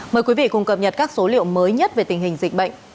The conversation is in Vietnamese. mời quý vị cùng cập nhật các số liệu mới nhất về tình hình dịch bệnh